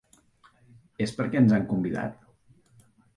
És perquè ens han convidat?